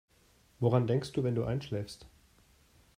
Woran denkst du, wenn du einschläfst?